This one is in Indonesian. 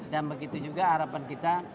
dan begitu juga harapan kita